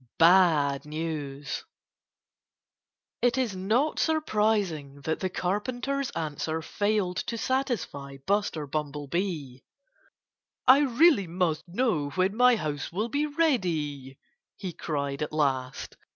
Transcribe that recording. XIV BAD NEWS It is not surprising that the Carpenter's answer failed to satisfy Buster Bumblebee. "I really must know when my house will be ready!" he cried at last.